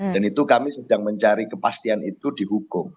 dan itu kami sedang mencari kepastian itu di hukum